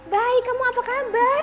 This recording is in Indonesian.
baik kamu apa kabar